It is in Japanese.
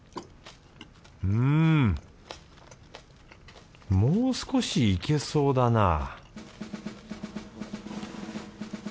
うんもう少しいけそうだなぁ